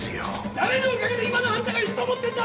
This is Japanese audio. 誰のおかげで今のあんたがいると思ってんだ！